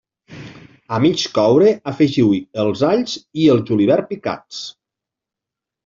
A mig coure, afegiu-hi els alls i el julivert picats.